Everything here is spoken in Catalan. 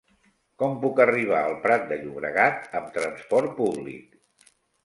Com puc arribar al Prat de Llobregat amb trasport públic?